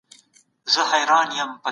لاسي کار د انسان اراده قوي کوي.